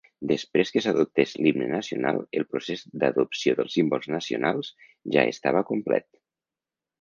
Després que s'adoptés l'himne nacional, el procés d'adopció dels símbols nacionals ja estava complet.